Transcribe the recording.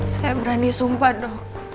saya berani sumpah dok